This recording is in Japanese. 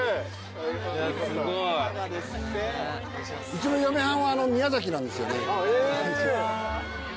うちの嫁はんは宮崎なんですよね。